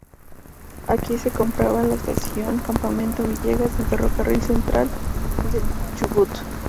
Aquí se encontraba la Estación Campamento Villegas del Ferrocarril Central del Chubut.